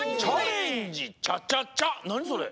なにそれ？